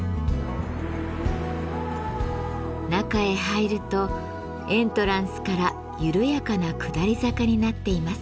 中へ入るとエントランスから緩やかな下り坂になっています。